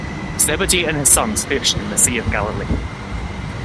Zebedee and his sons fished in the Sea of Galilee.